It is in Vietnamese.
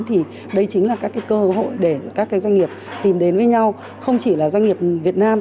thì đây chính là các cơ hội để các doanh nghiệp tìm đến với nhau không chỉ là doanh nghiệp việt nam